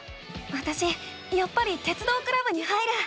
わたしやっぱり鉄道クラブに入る。